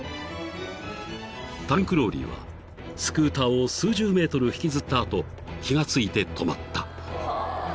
［タンクローリーはスクーターを数十ｍ引きずった後気が付いて止まった］